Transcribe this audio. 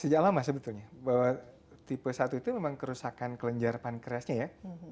sejak lama sebetulnya bahwa tipe satu itu memang kerusakan kelenjar pankreasnya ya